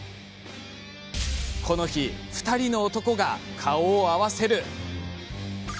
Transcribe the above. この日、２人の男が顔を合わせます。